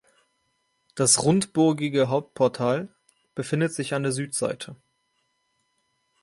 Das rundbogige Hauptportal befindet sich an der Südseite.